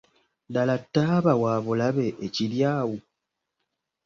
Ddaala ttaaba wabulabe ekiri awo?